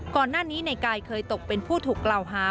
ก่อนหน้านี้ในกายเคยตกเป็นผู้ถูกกล่าวหา